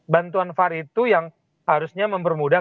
bantuan var itu yang harusnya mempermudah